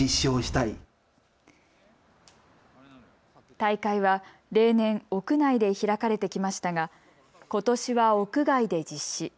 大会は例年、屋内で開かれてきましたがことしは屋外で実施。